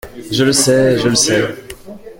Je le sais… je le sais.